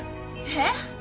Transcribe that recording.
えっ？